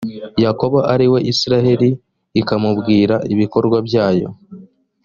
yakobo ari we israheli, ikamubwira ibikorwa byayo.